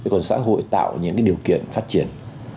còn xã hội tạo những điều kiện phát triển